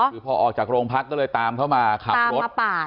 คือพอออกจากโรงพักก็เลยตามเข้ามาขับรถ